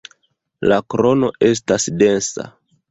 La krono estas densa.